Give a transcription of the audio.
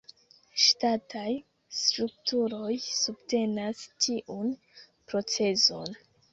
Ŝtataj strukturoj subtenas tiun procezon.